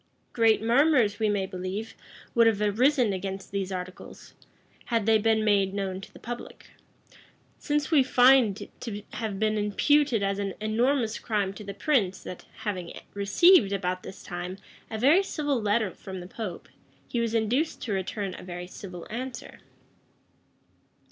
Great murmurs, we may believe, would have arisen against these articles, had they been made known to the public; since we find it to have been imputed as an enormous crime to the prince that, having received, about this time, a very civil letter from the pope, he was induced to return a very civil answer.